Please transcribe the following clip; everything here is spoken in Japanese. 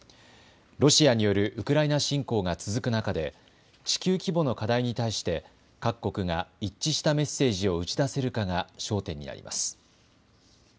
ロシアによるウクライナ侵攻が続く中で地球規模の課題に対して各国が一致したメッセージを打ち出せるかが焦点になります。